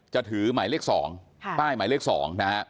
จะถือหมายเลข๒ป้ายหมายเลข๒นะฮะ